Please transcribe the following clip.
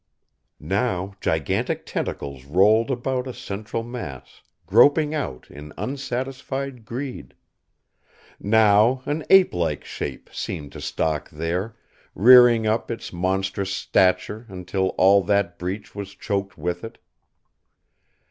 Now gigantic tentacles rolled about a central mass, groping out in unsatisfied greed. Now an ape like shape seemed to stalk there, rearing up its monstrous stature until all that Breach was choked with it.